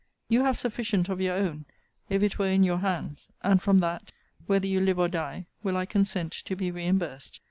You have sufficient of your own, if it were in your hands; and from that, whether you live or die, will I consent to be reimbursed.